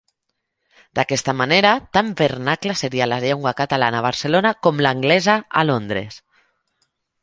D’aquesta manera, tan vernacla seria la llengua catalana a Barcelona com l’anglesa a Londres.